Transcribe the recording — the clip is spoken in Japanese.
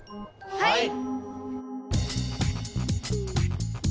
はい！